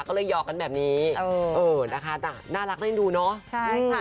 ก็เลยยอกกันแบบนี้นะคะน่ารักเล่นดูเนาะ